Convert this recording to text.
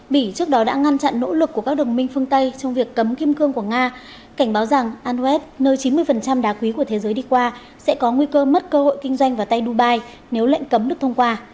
bỉ trước đó đã ngăn chặn nỗ lực của các đồng minh phương tây trong việc cấm kim cương của nga cảnh báo rằng anwes nơi chín mươi đá quý của thế giới đi qua sẽ có nguy cơ mất cơ hội kinh doanh vào tây dubai nếu lệnh cấm được thông qua